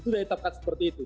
itu sudah hitapkan seperti itu